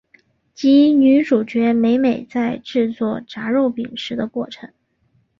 及女主角美美在制作炸肉饼时的过程。